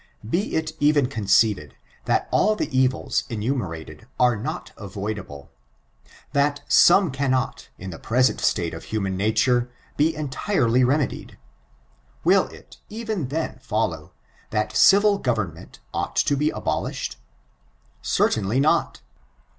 Be it even conceded, that all the evils enumerated are not avoidable, that some cannot, in the present state of human nature, be entirely remedied ; will it, even then, follow, that civil government ought to be abolished? Certainly not.